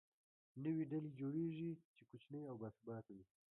نوې ډلې جوړېږي، چې کوچنۍ او باثباته وي.